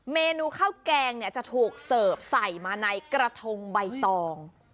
เมนูข้าวแกงเนี่ยจะถูกเสิร์ฟใส่มาในกระทงใบตอง